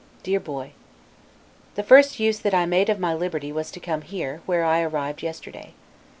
DEAR BOY: The first use that I made of my liberty was to come here, where I arrived yesterday.